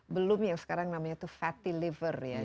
belum yang sekarang namanya itu fatty liver ya